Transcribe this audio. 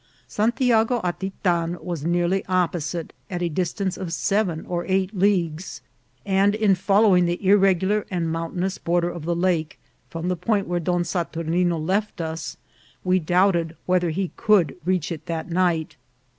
Santiago Atitan .was nearly opposite, at a distance of seven or eight leagues, and in following the irregular and mountainous border of the lake from the point where Don Saturnino left us, we doubted whether he could reach it that night.